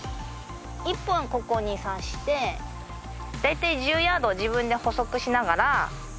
１本ここに刺してだいたい１０ヤード自分で歩測しながら。